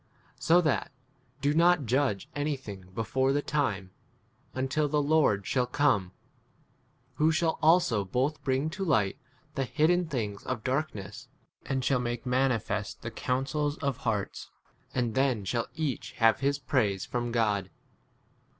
So that do not judge anything before [the] time, until the Lord shall come, who shall also both bring to light the hidden things of dark ness, and shall make manifest the counsels of hearts ; and then shall each have [his] praise from God.